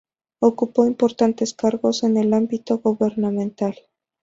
Ocupó importantes cargos en el ámbito gubernamental.